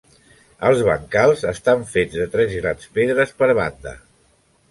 Els bancals estan fets de tres grans pedres per banda.